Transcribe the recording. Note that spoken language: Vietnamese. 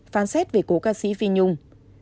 phán xét về cô ca sĩ phi nhung